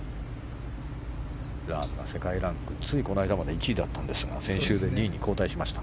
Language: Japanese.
ラームは世界ランクついこの間まで１位でしたが先週で２位に後退しました。